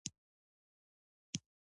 مالیه اخیستل اکثره سخت کال کار ضایع کاوه.